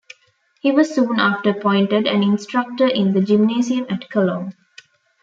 He was soon after appointed an instructor in the gymnasium at Cologne.